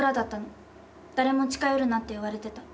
「誰も近寄るなって言われてた」